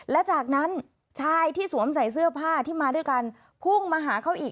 และจากนั้นชายที่สวมใส่เสื้อผ้าที่มาด้วยกันพุ่งมาหาเขาอีก